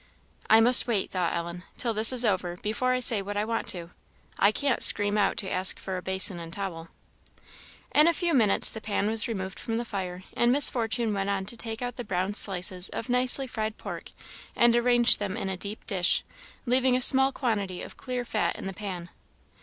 "I must wait," thought Ellen, "till this is over, before I say what I want to. I can't scream out to ask for a basin and towel." In a few minutes the pan was removed from the fire, and Miss Fortune went on to take out the brown slices of nicely fried pork and arrange them in a deep dish, leaving a small quantity of clear fat in the pan.